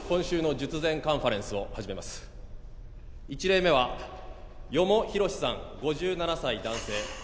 １例目は四方宏さん５７歳男性。